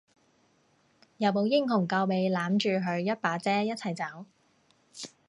有冇英雄救美攬住佢一把遮一齊走？